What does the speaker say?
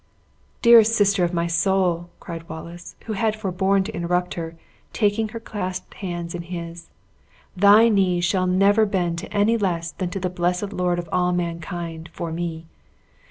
"Dearest sister of my soul!" cried Wallace, who had forborne to interrupt her, taking her clasped hands in his, "thy knees shall never bend to any less than to the blessed Lord of all mankind, for me!